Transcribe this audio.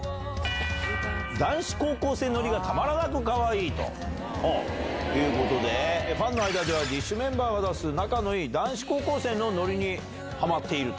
男子高校生ノリがたまらなくかわいいということで、ファンの間では、ＤＩＳＨ／／メンバーが出す仲のいい男子高校生のノリにはまっていると。